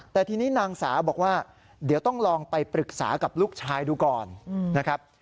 แต่ทีนี้นางสาวบอกว่าเดี๋ยวต้องลองไปปรึกษากับลูกชายดูก่อนนะครับ